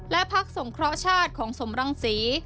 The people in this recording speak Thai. และพักสงเคราะห์ชาติของสมรังศรี